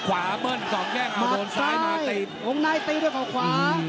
ขวาเมิ้นกล่องแว่ยังเอาโดนซ้ายมาตีดผมน่ะตีโดยเขาขวา